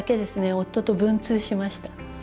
夫と文通しました。